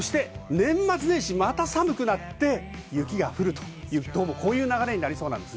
年末年始、また寒くなって雪が降る流れになりそうです。